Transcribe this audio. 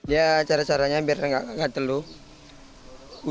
ya cara caranya biar nggak gatel dulu